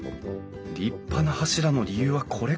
立派な柱の理由はこれか。